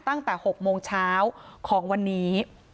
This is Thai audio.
ตั้งแต่๖โมงเช้าของวันนี้